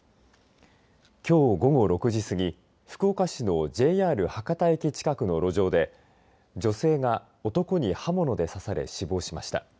きょう午後６時過ぎ福岡市のＪＲ博多駅近くの路上で女性が男に刃物で刺され死亡しました。